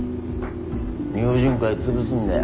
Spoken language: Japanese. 「明神会」潰すんだよ。